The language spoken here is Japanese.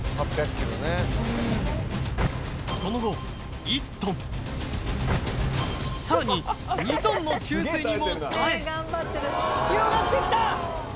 その後１ｔさらに２ｔの注水にも耐え広がってきた